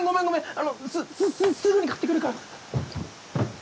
あのすすすぐに買ってくるから！